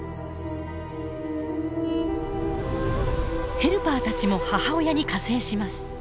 ヘルパーたちも母親に加勢します。